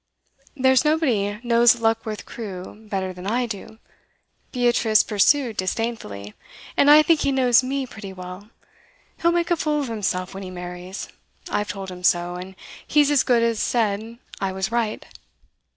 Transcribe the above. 'There's nobody knows Luckworth Crewe better than I do,' Beatrice pursued disdainfully, 'and I think he knows me pretty well. He'll make a fool of himself when he marries; I've told him so, and he as good as said I was right.